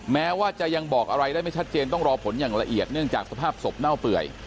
แม้ว่าจะยังบอกอะไรได้ไม่ชัดเจนต้องรอผลอย่างละเอียดเนื่องจากสภาพศพเน่าเปื่อย